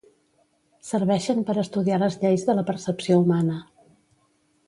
Serveixen per estudiar les lleis de la percepció humana.